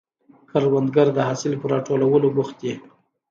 کروندګر د حاصل پر راټولولو بوخت دی